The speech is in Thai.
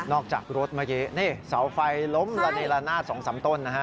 จากรถเมื่อกี้นี่เสาไฟล้มระเนละนาด๒๓ต้นนะฮะ